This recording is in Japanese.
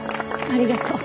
ありがとう。